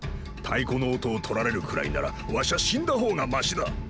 太鼓の音を取られるくらいならわしゃ死んだ方がマシだ。